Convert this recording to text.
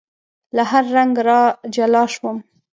له هر رنګ را جلا شوم